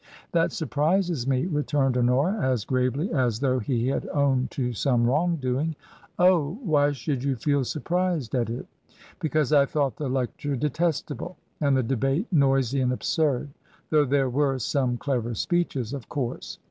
" That surprises me," returned Honora, as gravely as though he had owned to some wrong doing. " Oh ! Why should you feel surprised at it ?" "Because I thought the lecture detestable, and the debate noisy and absurd. Though there were some clever speeches, of course."